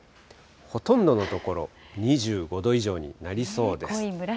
ほとんどの所２５度以上になりそうです。